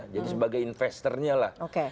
jadi sebagai investornya lah